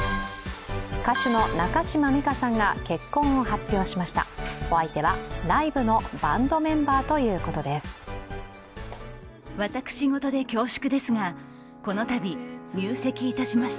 歌手の中島美嘉さんが結婚を発表しました。